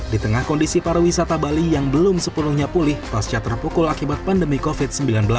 di tengah kondisi pariwisata bali yang belum sepenuhnya pulih pasca terpukul akibat pandemi covid sembilan belas